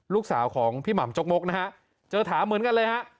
ลูกสาวของพี่หม่ำจกมกนะฮะเจอถามเหมือนกันเลยฮะ